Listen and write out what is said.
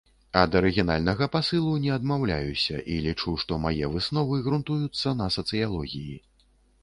Ад арыгінальнага пасылу не адмаўляюся і лічу, што мае высновы грунтуюцца на сацыялогіі.